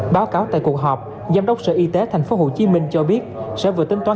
báo cáo tại cuộc họp giám đốc sở y tế tp hcm cho biết sẽ vừa tính toán